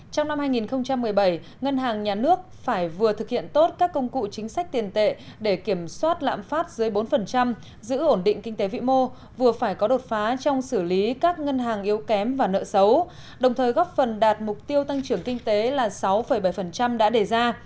trong năm hai nghìn một mươi bảy ngân hàng nhà nước phải vừa thực hiện tốt các công cụ chính sách tiền tệ để kiểm soát lãm phát dưới bốn giữ ổn định kinh tế vĩ mô vừa phải có đột phá trong xử lý các ngân hàng yếu kém và nợ xấu đồng thời góp phần đạt mục tiêu tăng trưởng kinh tế là sáu bảy đã đề ra